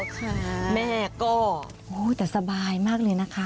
ค่ะแม่ก็แต่สบายมากเลยนะคะ